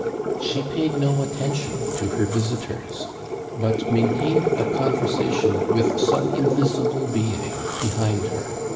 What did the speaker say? She paid no attention to her visitors, but maintained a conversation with some invisible being behind her.